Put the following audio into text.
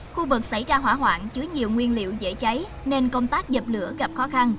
khu vực xảy ra hỏa hoạn chứa nhiều nguyên liệu dễ cháy nên công tác dập lửa gặp khó khăn